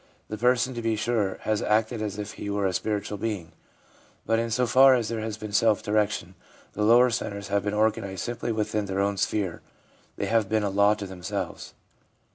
The person, to be sure, has acted as if he were a spiritual being ; but in so far as there has been self direction, the lower centres have been organised simply within their own sphere, they have been a law to themselves.